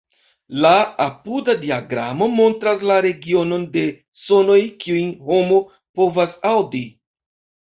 La apuda diagramo montras la regionon de la sonoj, kiujn homo povas aŭdi.